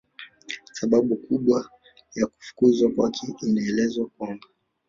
Sababu kubwa ya kufukuzwa kwake inaelezwa kwamba